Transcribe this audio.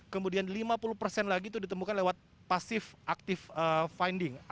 kemudian lima puluh persen lagi itu ditemukan lewat pasif active finding